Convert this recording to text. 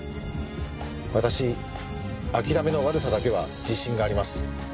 私諦めの悪さだけは自信があります。